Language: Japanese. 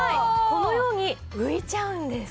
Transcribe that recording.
このように浮いちゃうんです。